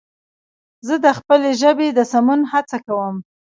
زه د خپلې ژبې د سمون هڅه کوم